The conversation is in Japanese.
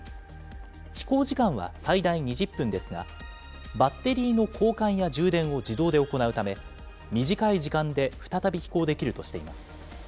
飛行時間は最大２０分ですが、バッテリーの交換や充電を自動で行うため、短い時間で再び飛行できるとしています。